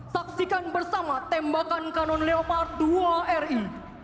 saksikan bersama tembakan kanon leopard dua ri